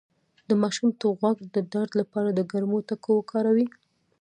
د ماشوم د غوږ د درد لپاره د ګرمو تکو وکاروئ